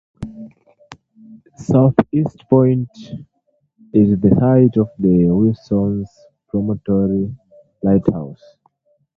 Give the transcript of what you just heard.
South East Point is the site of the Wilsons Promontory Lighthouse.